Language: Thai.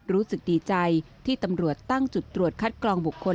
รู้สึกดีใจที่ตำรวจตั้งจุดตรวจคัดกรองบุคคล